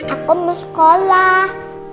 aku mau sekolah